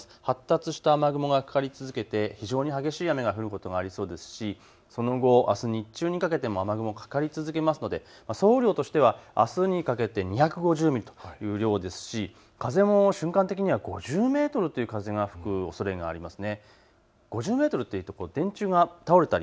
発達した雨雲がかかり続けて非常に激しい雨が降ることがありそうですし、その後、あす日中にかけても雨雲、かかり続けますので総雨量としては朝にかけて２５０ミリという量ですし風も瞬間的には５０メートルという風が吹くおそれがあります。